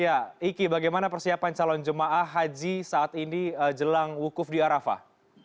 ya iki bagaimana persiapan calon jemaah haji saat ini jelang wukuf di arafah